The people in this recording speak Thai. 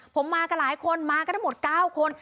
ผมมากับหลายคนมากันทั้งหมด๙คน